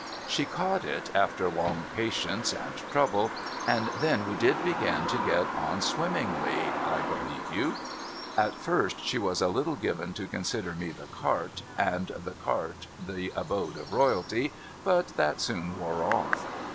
She caught it after long patience and trouble, and then we did begin to get on swimmingly, I believe you ! INSTRUCTION UNDER DIFFICULTIES 393 At first she was a little given to consider me the cart, and the cart the abode of royalty, but that soon wore off.